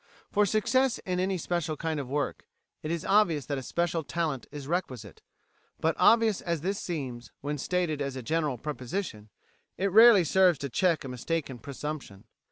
For success in any special kind of work, it is obvious that a special talent is requisite; but obvious as this seems, when stated as a general proposition, it rarely serves to check a mistaken presumption.